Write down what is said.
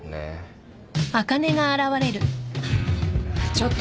・ちょっと。